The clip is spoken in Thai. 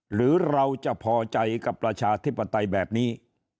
หรือเราจะพอใจกับประชาธิปไตยแบบนี้